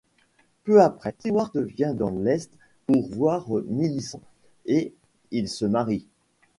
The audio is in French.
Peu après, Stewart vient dans l'Est pour voir Millicent et ils se marient.